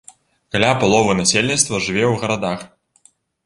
Каля паловы насельніцтва жыве ў гарадах.